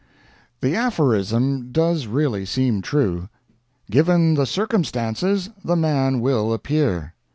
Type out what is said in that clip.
The aphorism does really seem true: "Given the Circumstances, the Man will appear."